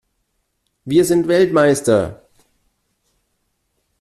Wir sind Weltmeister!